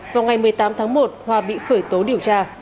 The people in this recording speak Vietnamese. vào ngày một mươi tám tháng một hòa bị khởi tố điều tra